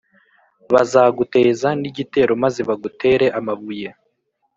Bazaguteza n’igitero maze bagutere amabuye